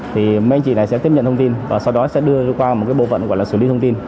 thì mấy anh chị này sẽ tiếp nhận thông tin và sau đó sẽ đưa qua một cái bộ phận gọi là xử lý thông tin